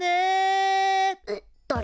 えっだれ？